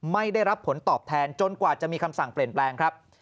ไม่ได้รับผลตอบแทนจนกว่าจะมีคำสั่งเปลี่ยนแปลงครับ